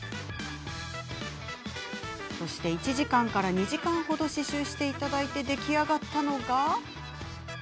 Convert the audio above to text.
そして、１時間から２時間ほど刺しゅうしていただいて出来上がったのが。